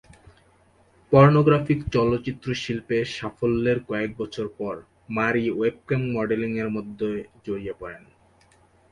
Pornographic চলচ্চিত্র শিল্পে সাফল্যের কয়েক বছর পর, মারি ওয়েবক্যাম মডেলিংয়ের মধ্যে জড়িয়ে পড়েন।